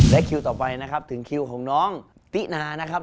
และคิวต่อไปนะครับถึงคิวของน้องตินานะครับ